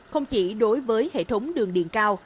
không chỉ đối với hệ thống đường điện cao